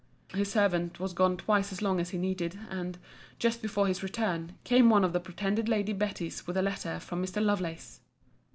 His servant was gone twice as long as he needed: and, just before his return, came one of the pretended Lady Betty's with a letter for Mr. Lovelace.